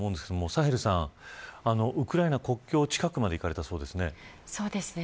サヘルさん、ウクライナ国境近くまで行かれたそうですね。